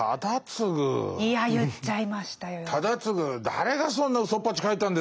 「誰がそんなうそっぱち書いたんですか」